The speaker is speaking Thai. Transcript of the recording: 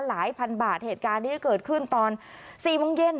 หลายพันบาทเหตุการณ์นี้เกิดขึ้นตอน๔โมงเย็น